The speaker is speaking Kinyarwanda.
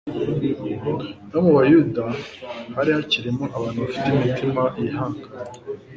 No mu Bayuda hari hakirimo abantu bafite imitima yihanganye